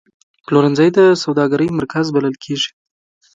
پلورنځی د سوداګرۍ مرکز بلل کېږي.